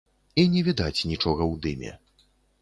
І не відаць нічога ў дыме.